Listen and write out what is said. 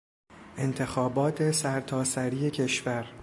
انتخابات سرتاسری کشور